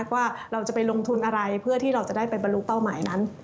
ว่าเราจะไปลงทุนอะไรเพื่อที่เราจะได้ไปบรรลุเป้าหมายนั้น